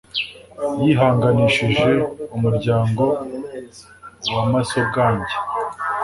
yihanganishije umuryango wa Masogange